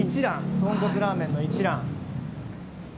豚骨ラーメンの一蘭。